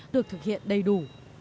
được thực hiện đầy đủ